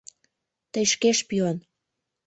Тый шке - шпион!